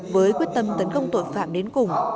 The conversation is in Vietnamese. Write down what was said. với quyết tâm tấn công tội phạm đến cùng